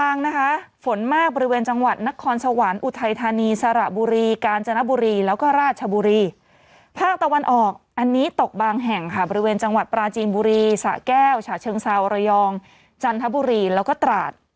พระพระพระพระพระพระพระพระพระพระพระพระพระพระพระพระพระพระพระพระพระพระพระพระพระพระพระพระพระพระพระพระพระพระพระพระพระพระพระพระพระพระพระพระ